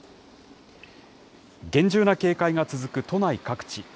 厳重な警戒が続く都内各地。